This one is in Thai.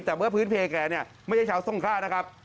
แต่เมื่อพื้นเพแกเนี่ยไม่ใช่ชาวทรงค่านะครับ